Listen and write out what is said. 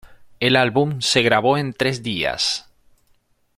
El álbum se grabó en tres días.